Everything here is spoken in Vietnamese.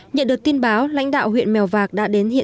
nhận được tin báo lãnh đạo huyện mèo vạc đã đến hiện